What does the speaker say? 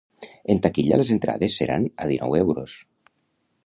En taquilla les entrades seran a dinou euros.